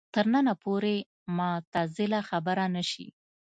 تر ننه پورې معتزله خبره نه شي